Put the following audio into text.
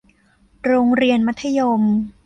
โรงเรียนมัธยม